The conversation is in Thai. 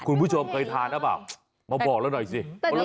คุณผู้ชมเคยทานหรือเปล่ามาบอกเราหน่อยสิ